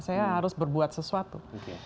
saya harus berbuat sesuatu